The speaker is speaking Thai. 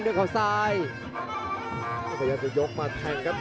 ชาเลน์